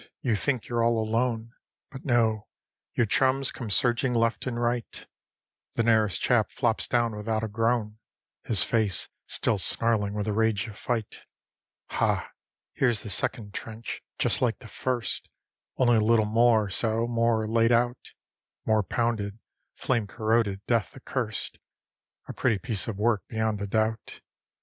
You think you're all alone. But no; your chums come surging left and right. The nearest chap flops down without a groan, His face still snarling with the rage of fight. Ha! here's the second trench just like the first, Only a little more so, more "laid out"; More pounded, flame corroded, death accurst; A pretty piece of work, beyond a doubt.